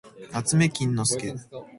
なつめきんのすけ